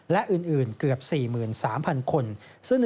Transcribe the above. และอื่นเกือบ๔๓๐๐คน